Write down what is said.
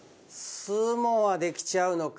スモアできちゃうのか！